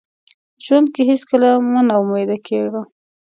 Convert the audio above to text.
ژوند کې هیڅکله مه ناامیده کیږه.